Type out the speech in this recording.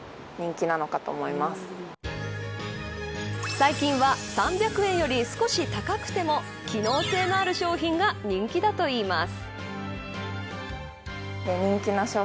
最近は３００円より少し高くても機能性のある商品が人気だといいます。